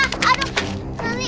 gak mau kali